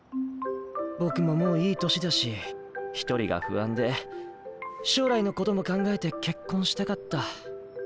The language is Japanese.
僕ももういい年だし一人が不安で将来のことも考えて結婚したかった。